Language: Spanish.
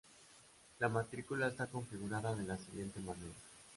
La matrícula está configurada de la siguiente manera.